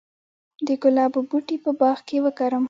د ګلابو بوټي په باغ کې وکرم؟